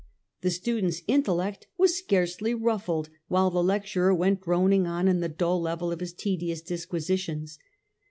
The student's intellect was scarcely ruffled while the lecturer went dron ing on in the dull level of his tedious disquisitions.